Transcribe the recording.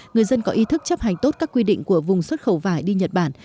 người dân có ý thức chấp hành tốt các quy định của vùng xuất khẩu vải đi nhật bản